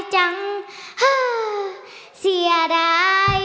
เพลงเก่งของคุณครับ